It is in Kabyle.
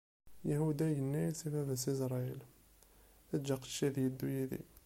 Yahuda yenna i baba-s, Isṛayil: Eǧǧ aqcic ad iddu yid-i.